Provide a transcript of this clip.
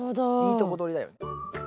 いいとこ取りだよね。